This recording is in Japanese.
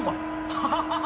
ハハハハ！